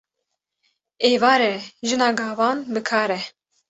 Êvar e jina gavan bi kar e